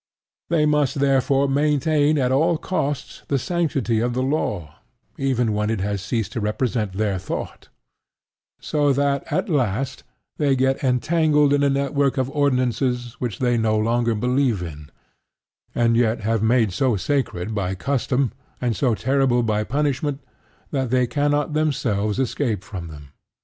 They must therefore maintain at all costs the sanctity of the law, even when it has ceased to represent their thought; so that at last they get entangled in a network of ordinances which they no longer believe in, and yet have made so sacred by custom and so terrible by punishment, that they cannot themselves escape from them.